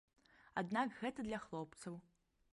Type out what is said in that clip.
Аднак гэта для хлопцаў.